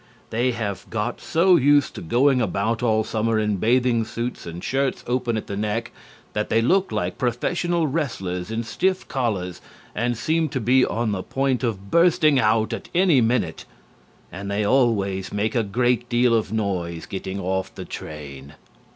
They have got so used to going about all summer in bathing suits and shirts open at the neck that they look like professional wrestlers in stiff collars and seem to be on the point of bursting out at any minute. And they always make a great deal of noise getting off the train.